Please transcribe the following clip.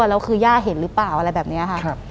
แล้วคือย่าเห็นหรือเปล่าอะไรแบบนี้ค่ะ